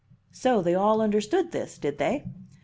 So they all understood this, did they?